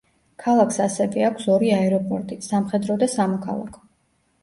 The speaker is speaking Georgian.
ქალაქს ასევე აქვს ორი აეროპორტი: სამხედრო და სამოქალაქო.